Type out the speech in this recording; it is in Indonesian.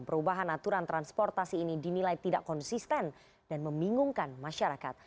perubahan aturan transportasi ini dinilai tidak konsisten dan membingungkan masyarakat